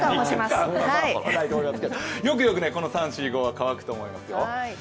よくよくこの３、４、５は乾くと思いますよ。